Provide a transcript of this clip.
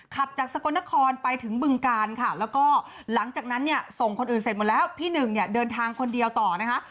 ขับจากสกลนครไปถึงบึงการค่ะแล้วก็หลังจากนั้นเนี่ยส่งคนอื่นเสร็จหมดแล้วพี่หนึ่งเนี่ยเดินทางคนเดียวต่อนะคะ